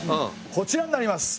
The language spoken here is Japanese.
こちらになります。